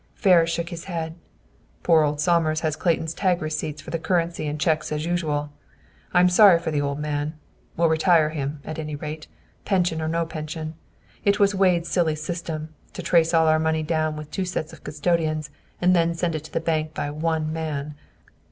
Ferris shook his head. "Poor old Somers has Clayton's tag receipts for the currency and cheques as usual. I'm sorry for the old man. We'll retire him, at any rate, pension or no pension. It was Wade's silly system, to trace all our money down with two sets of custodians, and then send it to bank by ONE man!"